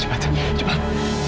susar siapkan alat ini cepat